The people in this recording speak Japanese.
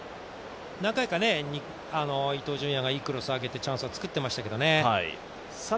何回か伊東純也がいいクロスをあげてチャンスを作ってましたけどね。